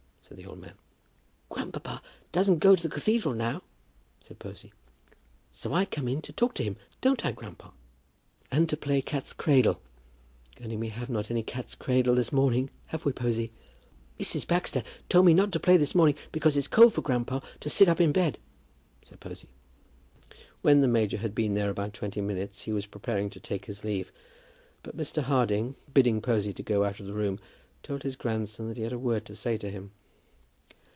said the old man. "Grandpa doesn't go to the cathedral now," said Posy; "so I come in to talk to him. Don't I, grandpa?" "And to play cat's cradle; only we have not had any cat's cradle this morning, have we, Posy?" "Mrs. Baxter told me not to play this morning, because it's cold for grandpa to sit up in bed," said Posy. When the major had been there about twenty minutes he was preparing to take his leave, but Mr. Harding, bidding Posy to go out of the room, told his grandson that he had a word to say to him.